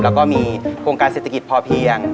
แล้วก็มีโครงการเศรษฐกิจพอเพียง